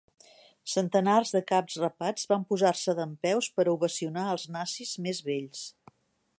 Centenars de caps rapats van posar-se dempeus per a ovacionar als Nazis més vells.